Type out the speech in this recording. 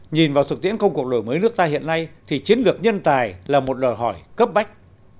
nhìn vào thực tiễn công cuộc đổi mới nước ta hiện nay thì chiến lược nhân tài là một đòi hỏi cấp bách